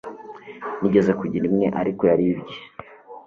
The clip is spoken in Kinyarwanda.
Nigeze kugira imwe ariko yaribwe